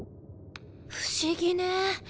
不思議ね。